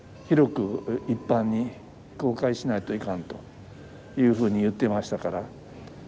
広く一般に公開しないといかんというふうに言っていましたから。